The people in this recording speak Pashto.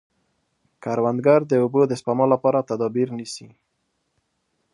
کروندګر د اوبو د سپما لپاره تدابیر نیسي